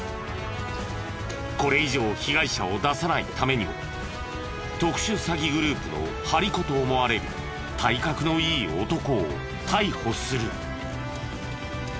これ以上被害者を出さないためにも特殊詐欺グループの張り子と思われる体格のいい男を逮捕する。